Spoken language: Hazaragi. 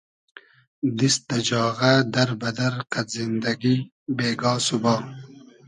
دیست دۂ جاغۂ، دئر بئدئر قئد زیندئگی بېگا سوبا